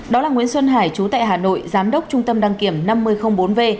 đó là nguyễn xuân hải chú tại hà nội giám đốc trung tâm đăng kiểm năm mươi bốn v